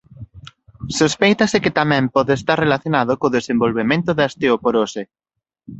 Sospéitase que tamén pode estar relacionado co desenvolvemento da osteoporose.